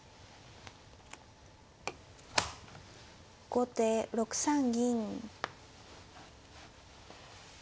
後手６三銀。